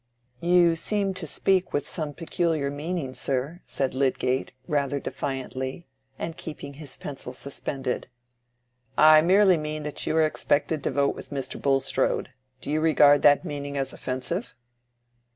"You seem to speak with some peculiar meaning, sir," said Lydgate, rather defiantly, and keeping his pencil suspended. "I merely mean that you are expected to vote with Mr. Bulstrode. Do you regard that meaning as offensive?"